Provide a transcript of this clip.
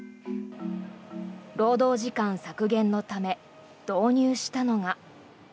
労働時間削減のため導入したのが。